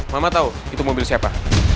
mama tahu itu mobil siapa